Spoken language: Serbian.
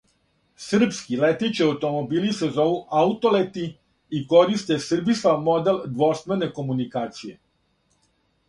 Србски летећи аутомобили се зову Аутолети, и користе СРБИСЛАВ модел двосмерне комуникације!